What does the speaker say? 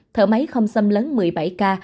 thở máy không xâm lấn một mươi bảy ca